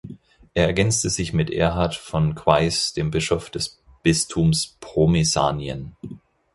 Er ergänzte sich mit Erhard von Queis, dem Bischof des Bistums Pomesanien.